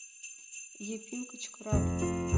— Ефим кычкыра.